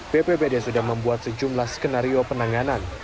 bpbd sudah membuat sejumlah skenario penanganan